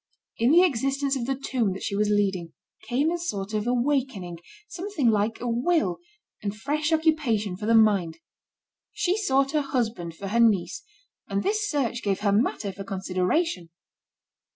In the existence of the tomb that she was leading, came a sort of awakening, something like a will, and fresh occupation for the mind. She sought a husband for her niece, and this search gave her matter for consideration.